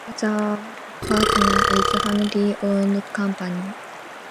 Palliser Furniture is a family-owned company.